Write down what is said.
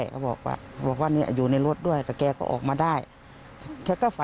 ก็ต้องให้จาร้วมว่า